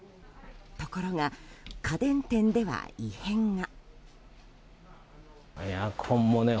ところが、家電店では異変が。